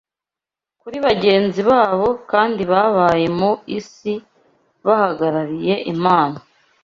kuri bagenzi babo kandi babaye mu isi bahagarariye Imana